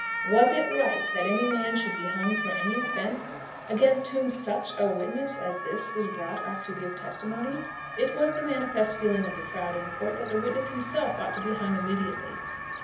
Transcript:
Was it right that any man should be hung for any offence against whom such a witness as this was brought up to give testimony? It was the manifest feeling of the crowd in the court that the witness himself ought to be hung immediately.